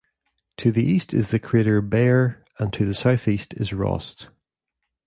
To the east is the crater Bayer and to the southeast is Rost.